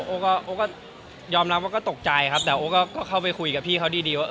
โอ๊ก็ยอมรับว่าก็ตกใจครับแต่โอ๊ก็เข้าไปคุยกับพี่เขาดีว่า